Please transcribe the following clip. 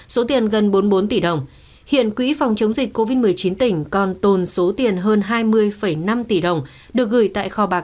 số tiền gần bốn mươi bốn tỷ đồng hiện quỹ phòng chống dịch covid một mươi chín tỉnh còn tồn số tiền hơn hai mươi năm tỷ đồng được gửi tại kho bạc